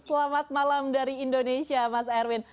selamat malam dari indonesia mas erwin